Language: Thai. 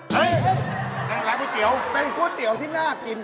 มีที๋วเป็นก๊อตตี๋วที่น่ากิน